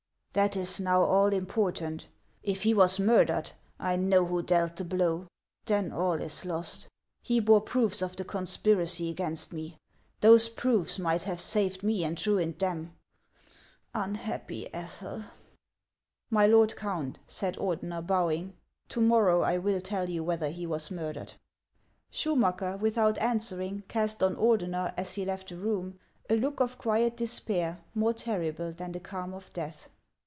" That is now all important. If he was murdered, I know who dealt the blow. Then all is lost. He bore proof's of the conspiracy against me. Those proofs might have saved me and ruined them ! Unhappy Ethel !"" My lord Count," said Ordener, bowing, " to morrow I will tell you whether he was murdered." Schumacker, without answering, cast on Ordener, as he left the room, a look of quiet despair more terrible than the calm of death.